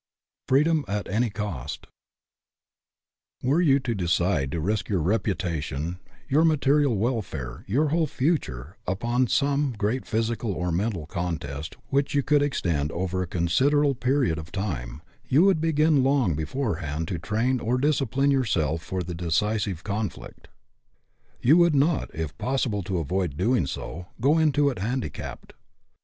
FREEDOM AT ANY COST ERE you to decide to risk your reputation, your material welfare, your whole future, upon some great physical or mental contest which should extend over a considerable period of time, you would begin long beforehand to train or discipline yourself for the decisive conflict. You would not, if possible to avoid doing so, go into it handicapped.